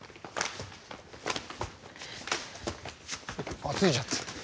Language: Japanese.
あ着いちゃった。